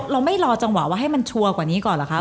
เราไม่รอจังหวะว่าให้มันชัวร์กว่านี้ก่อนเหรอคะ